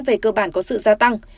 về cơ bản có sự gia tăng